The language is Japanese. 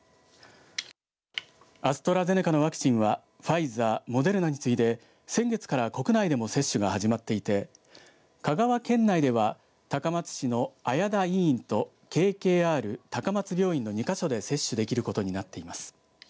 アストラゼネカのワクチンはファイザー、モデルナに次いで先月から国内でも接種が始まっていて、香川県内では高松市の綾田医院とＫＫＲ高松病院の２か所で接種できることになっています。